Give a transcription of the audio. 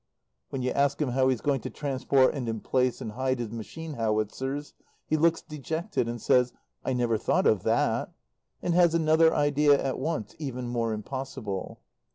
When you ask him how he's going to transport and emplace and hide his machine howitzers, he looks dejected, and says "I never thought of that," and has another idea at once, even more impossible.